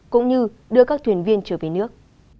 cũng như đưa các thuyền viên trở về nước